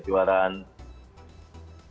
dan ini hasilnya yang jelas